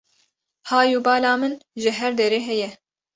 Hay û bala min ji her derê heye